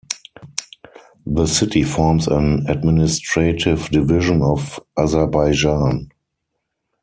The city forms an administrative division of Azerbaijan.